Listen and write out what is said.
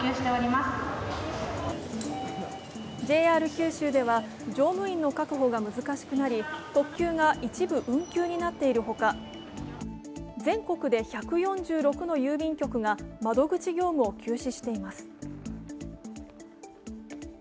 ＪＲ九周では乗務員の確保が難しくなり、特急が一部運休になっているほか全国で１４６の郵便局が窓口業務を休止しています。